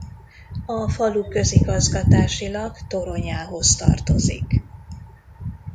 A falu közigazgatásilag Toronyához tartozik.